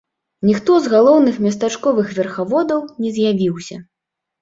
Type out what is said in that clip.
Ніхто з галоўных местачковых верхаводаў не з'явіўся.